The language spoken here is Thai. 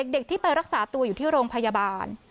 เด็กที่ไปรักษาตัวอยู่ที่โรงพยาบาล